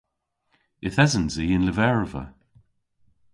Yth esens i y'n lyverva.